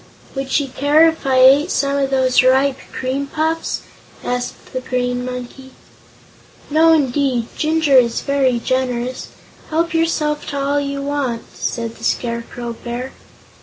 "Would she care if I ate some of those ripe cream puffs?" asked the Green Monkey. "No, indeed; Jinjur is very generous. Help yourself to all you want," said the Scarecrow Bear.